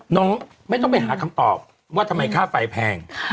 น้องไม่ต้องไปหาคำตอบว่าทำไมค่าไฟแพง